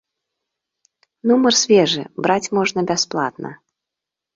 Нумар свежы, браць можна бясплатна.